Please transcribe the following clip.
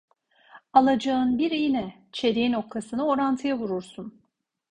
Alacağın bir iğne, çeliğin okkasını orantıya vurursun.